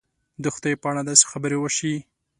د خدای په اړه داسې خبرې وشي.